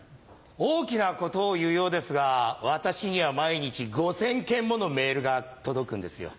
大きなことを言うようですが私には毎日５０００件ものメールが届くんですよ。